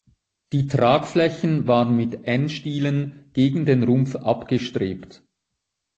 Die Tragflächen waren mit N-Stielen gegen den Rumpf abgestrebt.